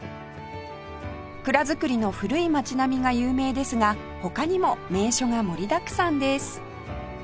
蔵造りの古い町並みが有名ですが他にも名所が盛りだくさんです